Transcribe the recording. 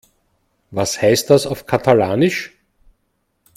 Was heißt das auf Katalanisch?